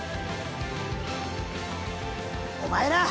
お前ら！